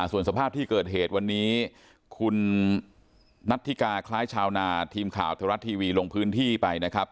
ส่วนสภาพที่เกิดเหตุวันนี้คุณนัทธิกาคล้ายชาวนาทีมข่าวไทยรัฐทีวีลงพื้นที่ไปนะครับ